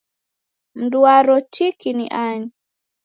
Mndu waro tiki ni ani?